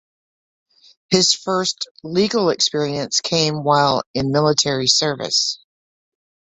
His first legal experience came while in military service.